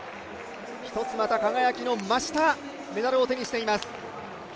１つまた輝きの増したメダルを手にしています。